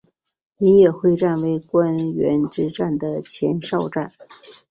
米野会战为关原之战的前哨战。